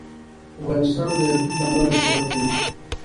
افغانستان د یاقوت له امله شهرت لري.